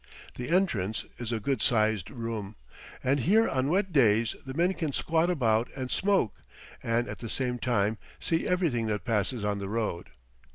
The entrance is a good sized room, and here on wet days the men can squat about and smoke, and at the same time see everything that passes on the road.